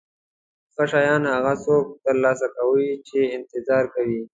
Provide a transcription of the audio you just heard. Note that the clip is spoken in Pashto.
ښه شیان هغه څوک ترلاسه کوي چې انتظار کوي.